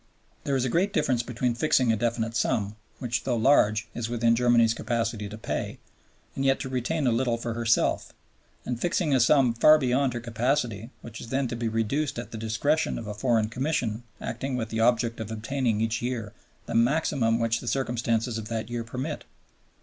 There is a great difference between fixing a definite sum, which though large is within Germany's capacity to pay and yet to retain a little for herself, and fixing a sum far beyond her capacity, which is then to be reduced at the discretion of a foreign Commission acting with the object of obtaining each year the maximum which the circumstances of that year permit.